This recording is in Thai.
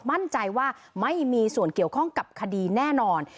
มั่นใจว่าไม่มีส่วนเกี่ยวข้องกับคดีแน่นอน